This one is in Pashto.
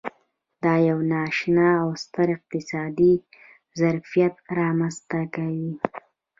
دا یو نا اشنا او ستر اقتصادي ظرفیت رامنځته کوي.